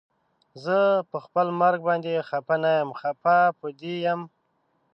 زه پخپل مرګ باندې خفه نه یم خفه په دې یم